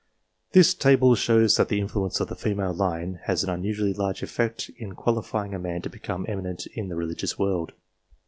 This table shows that the influence of the female line has an unusually large effect in qualifying a man to become eminent in the religious world.